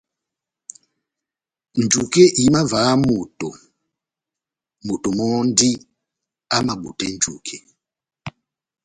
Njuke ihimavaha moto, moto mɔ́ndi amabutɛ njuke.